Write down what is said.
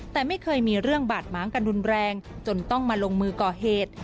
แต่ไม่เคยมีเรื่องบาดม้างกันรุนแรงจนต้องมาลงมือก่อเหตุ